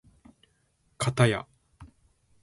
かたや